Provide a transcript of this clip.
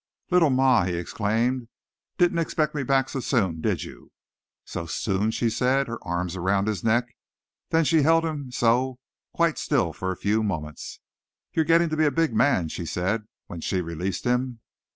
"Little ma," he exclaimed. "Didn't expect me back so soon, did you?" "So soon," she said, her arms around his neck. Then she held him so, quite still for a few moments. "You're getting to be a big man," she said when she released him.